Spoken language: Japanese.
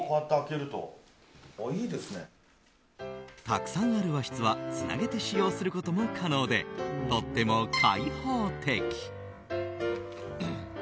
たくさんある和室はつなげて使用することも可能でとっても開放的。